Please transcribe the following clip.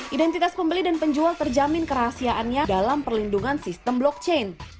identitas pembeli dan penjual terjamin kerahasiaannya dalam perlindungan sistem blockchain